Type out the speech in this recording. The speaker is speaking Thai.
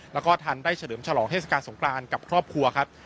แล้วก็ทันได้เฉลิมฉลองเทศกาลสงครานกับครอบครัวครับ